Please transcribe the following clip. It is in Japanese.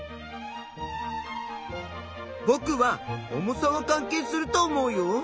ぼくは重さは関係すると思うよ。